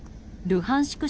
ルハンシク